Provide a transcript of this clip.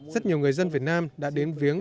rất nhiều người dân việt nam đã đến viếng